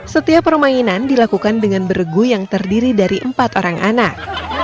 setiap permainan dilakukan dengan beregu yang terdiri dari empat orang anak